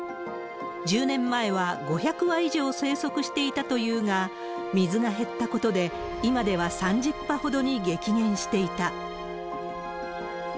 １０年前は５００羽以上生息していたというが、水が減ったことで、今では３０羽ほどに激減していた。